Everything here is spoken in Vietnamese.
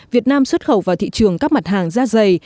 việt nam xuất khẩu vào thị trường các mặt hàng da dày